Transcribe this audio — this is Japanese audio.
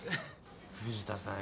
藤田さん